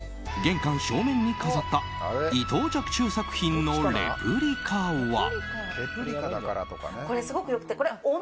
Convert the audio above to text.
続いて、玄関正面に飾った伊藤若冲作品のレプリカは。